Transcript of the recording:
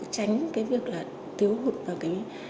tránh cái việc là tiếu hụt vào cái